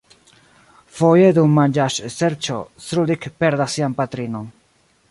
Foje dum manĝaĵserĉo Srulik perdas sian patrinon.